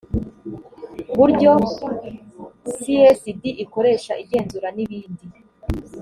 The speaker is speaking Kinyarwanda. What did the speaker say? buryo csd ikoresha igenzura n ibindi